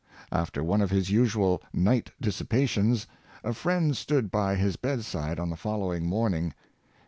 After one of his usual night dis sipations, a friend stood by his bedside on the following morning.